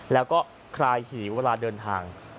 แล้วก็คลายหิวเวลาเดินทาง